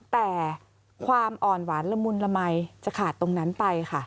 แต่ความอ่อนหวานละมุนละมัยจะขาดตรงนั้นไปค่ะ